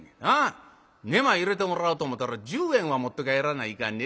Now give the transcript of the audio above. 寝間入れてもらおうと思たら十円は持って帰らないかん。